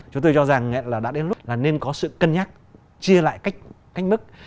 chúng tôi cho rằng là đã đến lúc là nên có sự cân nhắc chia lại cách mức